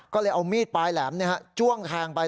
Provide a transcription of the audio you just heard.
ก็เลยเอามีดปลายแหลมจ้วงแทงไป